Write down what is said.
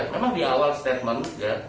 memang di awal statement